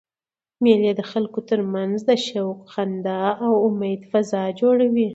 مېلې د خلکو ترمنځ د شوق، خندا او امېد فضا جوړوي.